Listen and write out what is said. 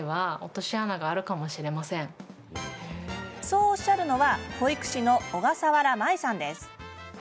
そうおっしゃるのは保育士の小笠原舞さんです。